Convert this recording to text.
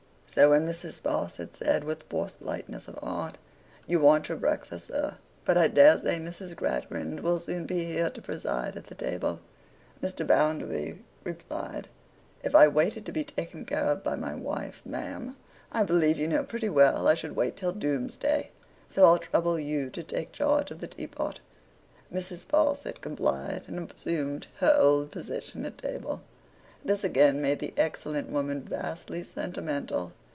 So, when Mrs. Sparsit said with forced lightness of heart, 'You want your breakfast, sir, but I dare say Miss Gradgrind will soon be here to preside at the table,' Mr. Bounderby replied, 'If I waited to be taken care of by my wife, ma'am, I believe you know pretty well I should wait till Doomsday, so I'll trouble you to take charge of the teapot.' Mrs. Sparsit complied, and assumed her old position at table. This again made the excellent woman vastly sentimental.